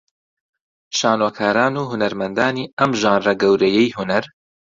شانۆکاران و هونەرمەندانی ئەم ژانرە گەورەیەی هونەر